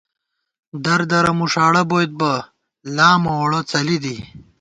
در دَرہ مُݭاڑہ بوئیت بہ، لامہ ووڑہ څَلی دی